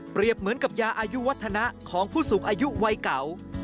เหมือนกับยาอายุวัฒนะของผู้สูงอายุวัยเก่า